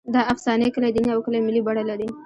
دا افسانې کله دیني او کله ملي بڼه لري.